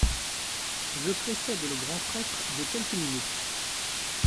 Je précède le grand prêtre de quelques minutes.